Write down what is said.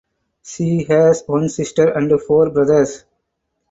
She has one sister and four brothers.